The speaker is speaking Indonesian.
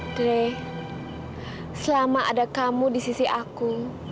play selama ada kamu di sisi aku